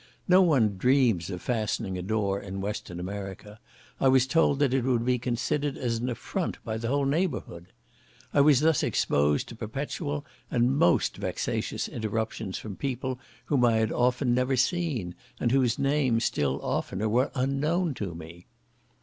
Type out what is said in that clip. No one dreams of fastening a door in Western America; I was told that it would be considered as an affront by the whole neighbourhood. I was thus exposed to perpetual, and most vexatious interruptions from people whom I had often never seen, and whose names still oftener were unknown to me.